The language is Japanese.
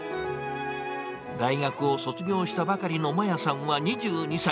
大学を卒業したばかりのまやさんは２２歳。